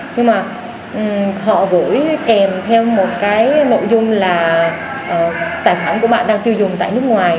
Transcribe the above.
nhưng mà họ gửi kèm theo một cái nội dung là tài khoản của bạn đang tiêu dùng tại nước ngoài